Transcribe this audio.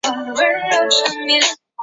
两站之间相距约。